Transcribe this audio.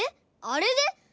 あれで？